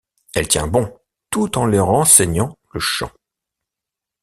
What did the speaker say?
Elle tient bon, tout en leur enseignant le chant.